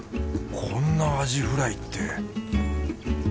こんなアジフライって